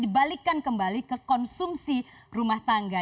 dibalikkan kembali ke konsumsi rumah tangga